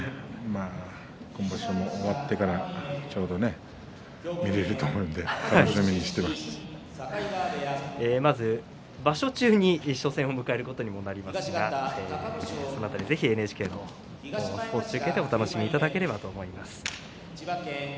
今場所も終わってからちょうど見られると思うのでまず場所中に初戦を迎えることにもなりますがその辺り、ぜひＮＨＫのスポーツ中継でお楽しみいただければと思います。